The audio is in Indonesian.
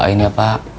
doain ya pak